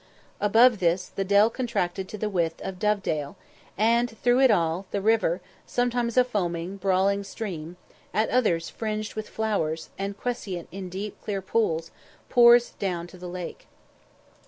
Above this, the dell contracted to the width of Dovedale, and through it all, the river, sometimes a foaming, brawling stream, at others fringed with flowers, and quiescent in deep, clear pools, pours down to the lake.